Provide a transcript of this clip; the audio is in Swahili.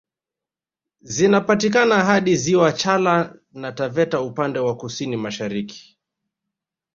Zinapatikana hadi ziwa Chala na Taveta upande wa kusini mashariki